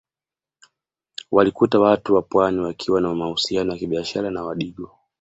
Walikuta Watu wa Pwani wakiwa na mahusiano ya kibiashara na Wadigo